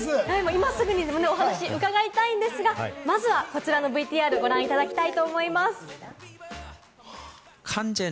今すぐにお話を伺いたいんですが、まずは、こちらのＶＴＲをご覧いただきたいと思います。